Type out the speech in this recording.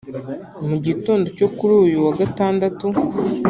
Mu gitondo cyo kuri uyu wa Gandatatu